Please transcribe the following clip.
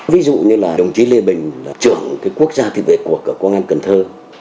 ví dụ như là đồng chí lê bình là trưởng quốc gia thi vệ cuộc ở quốc an cần thơ